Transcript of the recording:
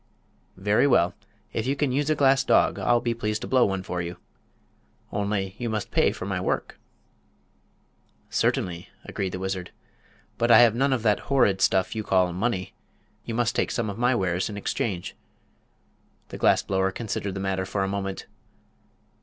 "Very well; if you can use a glass dog I'll be pleased to blow one for you. Only, you must pay for my work." "Certainly," agreed the wizard. "But I have none of that horrid stuff you call money. You must take some of my wares in exchange." The glass blower considered the matter for a moment.